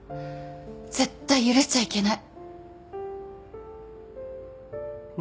絶対許しちゃいけない！